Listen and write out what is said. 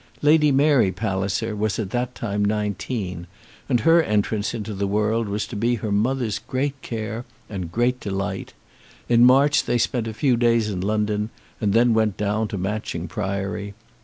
Lady Mary Palliser was at that time nineteen, and her entrance into the world was to be her mother's great care and great delight. In March they spent a few days in London, and then went down to Matching Priory.